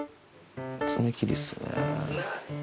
爪切りっすね。